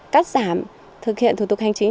cắt giảm thực hiện thủ tục hành chính